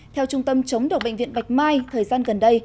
theo trung tâm chống độc bệnh viện bạch mai thời gian gần đây